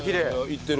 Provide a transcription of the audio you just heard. いってる？